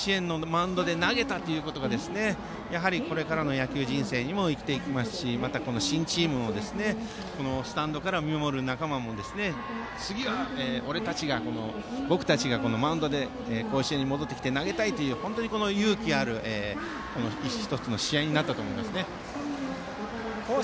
甲子園のマウンドで投げたということがこれからの野球人生にも生きていきますし、新チームもスタンドから見守る仲間も次は俺たちが、僕たちがこのマウンドで甲子園に戻ってきて投げたいという、勇気ある１つの試合になったと思います。